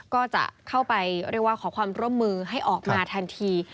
ก็จะเข้าไปเรียกว่าขอความร่วมมือให้ออกมาทันที